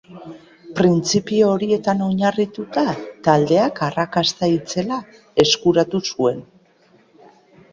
Printzipio horietan oinarrituta, taldeak arrakasta itzela eskuratu zuen.